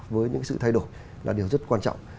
với những sự thay đổi là điều rất quan trọng